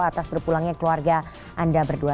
atas berpulangnya keluarga anda berdua